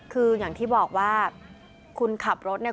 คืออย่างที่บอกว่าคุณขับรถเนี่ย